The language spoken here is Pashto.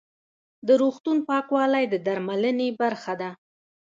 د روغتون پاکوالی د درملنې برخه ده.